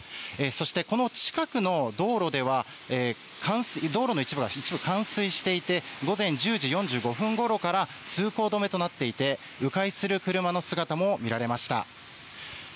そしてこの近くの道路では道路が一部冠水していて午前１０時４５分ごろから通行止めとなっていてう回する車の姿も見られました。